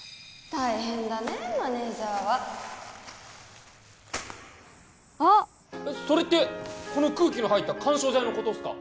大変だねマネージャーはあっ！それってこの空気の入った緩衝材のことっすか？